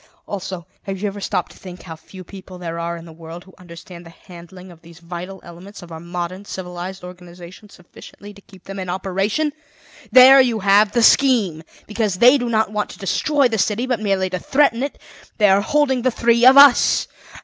"Also, have you ever stopped to think how few people there are in the world who understand the handling of these vital elements of our modern civilized organization sufficiently to keep them in operation? There you have the scheme. Because they do not want to destroy the city, but merely to threaten it, they are holding the three of us.